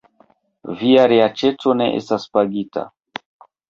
Via reaĉeto ne estas pagita!